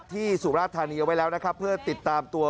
สุราธานีเอาไว้แล้วนะครับเพื่อติดตามตัว